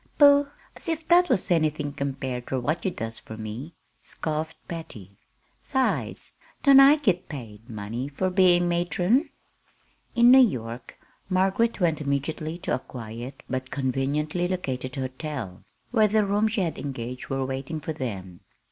"Pooh! As if that was anything compared ter what you does fur me," scoffed Patty. "'Sides, don't I git pay money, fur bein' matron?" In New York Margaret went immediately to a quiet, but conveniently located hotel, where the rooms she had engaged were waiting for them.